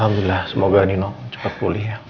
alhamdulillah semoga nino cepat pulih ya